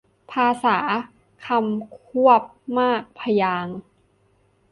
ภาษาคำควบมากพยางค์